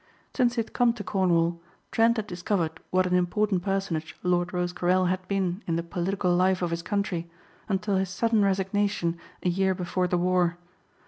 Since he had come to Cornwall, Trent had discovered what an important personage Lord Rosecarrel had been in the political life of his country until his sudden resignation a year before the war.